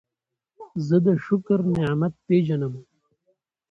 زه د شکر نعمت پېژنم.